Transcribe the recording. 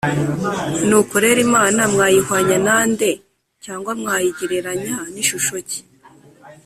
nuko rero imana mwayihwanya na nde, cyangwa mwayigereranya n’ishusho ki?